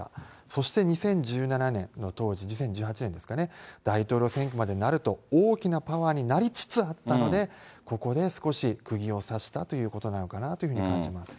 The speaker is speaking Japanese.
そして２０１７年の当時、２０１８年ですかね、大統領選挙までなると、大きなパワーになりつつあったので、ここで少しくぎを刺したということなのかなというふうに感じます。